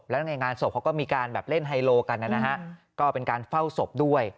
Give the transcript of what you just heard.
แล้วในงานศพเขาก็มีการแบบเล่นไฮโลกันนะฮะก็เป็นการเฝ้าศพด้วย